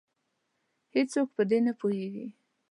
هیڅوک په دې نه پوهیږې